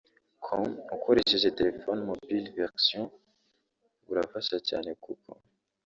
com ukoresheje telefone (mobile version) burafasha cyane kuko